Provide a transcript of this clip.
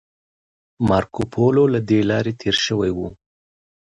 مارکوپولو له دې لارې تیر شوی و